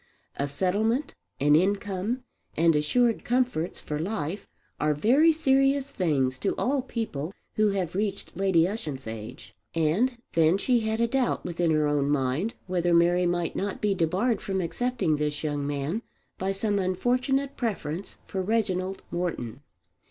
A settlement, an income, and assured comforts for life are very serious things to all people who have reached Lady Ushant's age. And then she had a doubt within her own mind whether Mary might not be debarred from accepting this young man by some unfortunate preference for Reginald Morton.